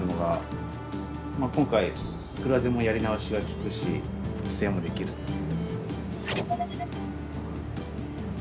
今回いくらでもやり直しがきくし複製もできるっていう。